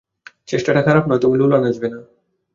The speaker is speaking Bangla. চেষ্টাটা খারাপ নয়, তবে লোলা নাচবে না।